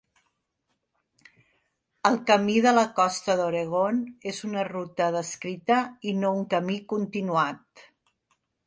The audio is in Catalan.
El Camí de la Costa d'Oregon és una ruta descrita i no un camí continuat.